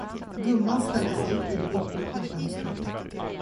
Gumman ställde sig i det uppbrutna fönstret.